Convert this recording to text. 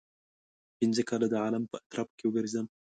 پنځه کاله د عالم په اطرافو کې وګرځېدم.